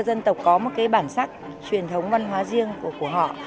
mỗi một dân tộc có một bản sắc truyền thống văn hóa riêng của họ